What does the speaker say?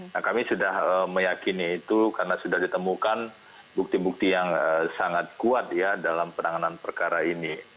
nah kami sudah meyakini itu karena sudah ditemukan bukti bukti yang sangat kuat ya dalam penanganan perkara ini